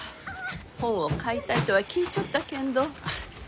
本を買いたいとは聞いちょったけんど。